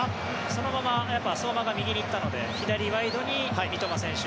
そのまま相馬が右に行ったので左ワイドに三笘選手